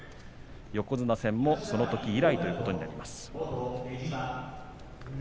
横綱戦もそのとき以来ということになります。